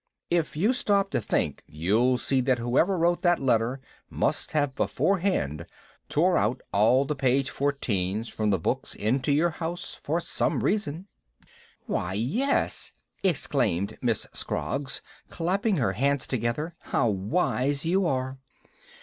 "If you stop to think, you'll see that whoever wrote that letter must have beforehand tore out all the page fourteens from the books into your house, for some reason." "Why, yes!" exclaimed Miss Scroggs, clapping her hands together. "How wise you are!"